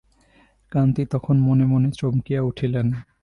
কান্তি তখন মনে মনে চমকিয়া উঠিলেন।